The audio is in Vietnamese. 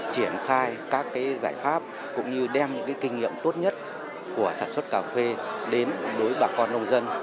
triển khai các giải pháp cũng như đem kinh nghiệm tốt nhất của sản xuất cà phê đến đối với bà con nông dân